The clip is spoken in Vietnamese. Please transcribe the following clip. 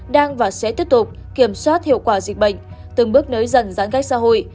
đang và sẽ tiếp tục kiểm soát hiệu quả dịch bệnh từng bước nới dần giãn cách xã hội